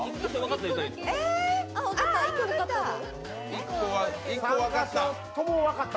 １個分かった！